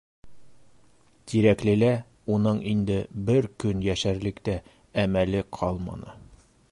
Тирәклелә уның инде бер көн йәшәрлек тә әмәле ҡалманы.